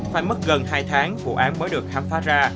phải mất gần hai tháng vụ án mới được khám phá ra